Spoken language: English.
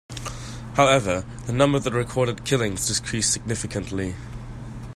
However, the number of the recorded killings decreased significantly.